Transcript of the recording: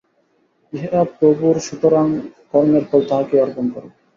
উহা প্রভুর, সুতরাং কর্মের ফল তাঁহাকেই অর্পণ কর।